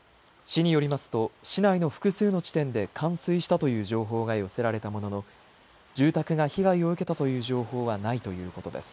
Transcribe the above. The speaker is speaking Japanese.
市によりますと市内の複数の地点で冠水したという情報が寄せられたものの住宅が被害を受けたという情報はないということです。